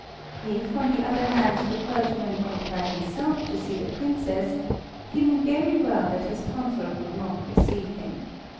If, on the other hand, the clergyman went by himself to see the Princess, he knew very well that his consort would not receive him.